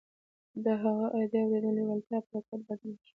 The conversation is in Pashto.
د هغه د عادي اورېدو لېوالتیا پر حقیقت بدله شوه